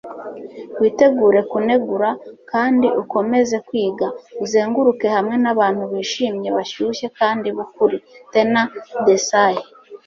witegure kunegura kandi ukomeze kwiga. uzenguruke hamwe n'abantu bishimye, bashyushye kandi b'ukuri. - tena desae